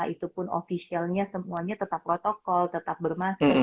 itu pun officialnya semuanya tetap protokol tetap bermasalah